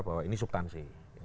bahwa ini substansi